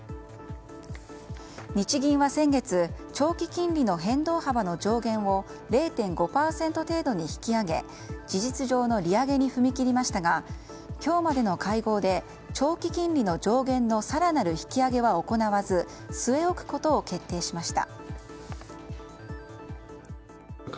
日銀は先月長期金利の変動幅の上限を０．５％程度に引き上げ事実上の利上げに踏み切りましたが今日までの会合で長期金利の上限の更なる引き上げは行わず据え置くことを決定しました。